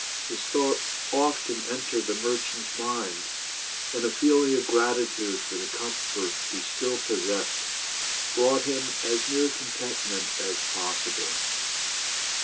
This thought often entered the merchant's mind, and a feeling of gratitude for the comforts he still possessed brought him as near contentment as possible.